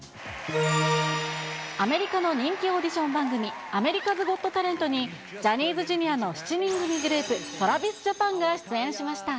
アメリカの人気オーディション番組、アメリカズ・ゴット・タレントにジャニーズＪｒ．の７人組グループ、トラビスジャパンが出演しました。